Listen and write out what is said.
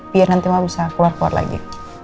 biar nanti mah bisa keluar keluar lagi